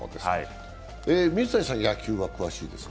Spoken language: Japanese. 水谷さん、野球は詳しいですか？